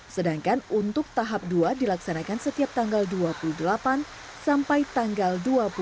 sedangkan untuk tahap dua dilaksanakan setiap tanggal dua puluh delapan sampai tanggal dua puluh